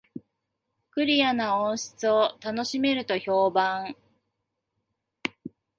クリアな音質を楽しめると評判